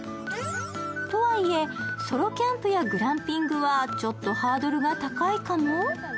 とはいえ、ソロキャンプやグランピングはちょっとハードルが高いかな。